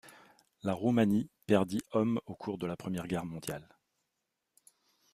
La Roumanie perdit hommes au cours de la Première Guerre mondiale.